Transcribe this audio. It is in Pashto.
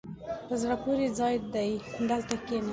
په زړه پورې ځای دی، دلته کښېنه.